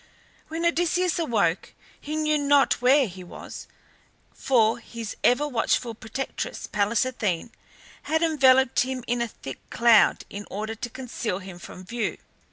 When Odysseus awoke he knew not where he was, for his ever watchful protectress Pallas Athene had enveloped him in a thick cloud in order to conceal him from view.